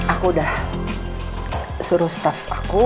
aku udah suruh staff aku